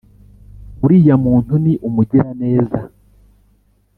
uriya muntu ni umugiraneza